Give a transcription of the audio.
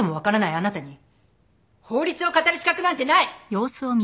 あなたに法律を語る資格なんてない！